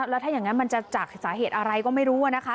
แล้วถ้าอย่างนั้นมันจะจากสาเหตุอะไรก็ไม่รู้นะคะ